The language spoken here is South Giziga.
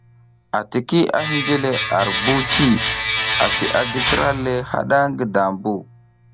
ATIKI a hinje le ar buci, asi a gi slra le haɗa ngi dambu.